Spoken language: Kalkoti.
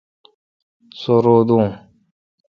سو رو دوں۔